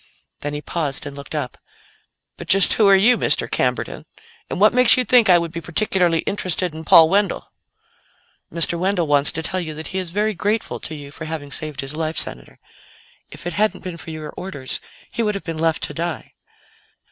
Then he paused and looked up. "But just who are you, Mr. Camberton? And what makes you think I would be particularly interested in Paul Wendell?" "Mr. Wendell wants to tell you that he is very grateful to you for having saved his life, Senator. If it hadn't been for your orders, he would have been left to die."